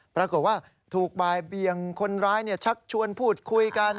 ปรากฏว่าถูกบ่ายเบียงคนร้ายชักชวนพูดคุยกัน